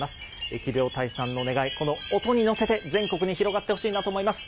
疫病退散のお願い、この音に乗せて、全国に広がってほしいなと思います。